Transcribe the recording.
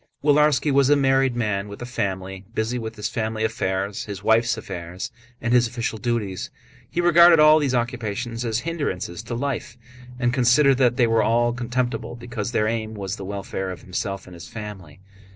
Willarski was a married man with a family, busy with his family affairs, his wife's affairs, and his official duties. He regarded all these occupations as hindrances to life, and considered that they were all contemptible because their aim was the welfare of himself and his family.